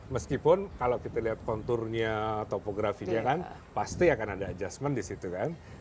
meskipun kalau kita lihat konturnya topografinya kan pasti akan ada adjustment di situ kan